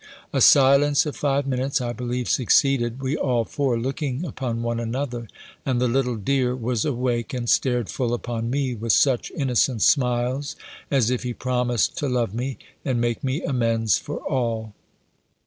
A silence of five minutes, I believe, succeeded, we all four looking upon one another; and the little dear was awake, and stared full upon me, with such innocent smiles, as if he promised to love me, and make me amends for all.